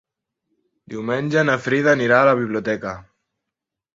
Diumenge na Frida anirà a la biblioteca.